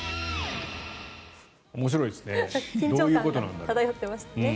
面白いですね。